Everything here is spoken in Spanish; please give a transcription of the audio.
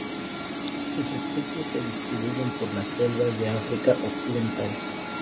Sus especies se distribuyen por las selvas de África Occidental.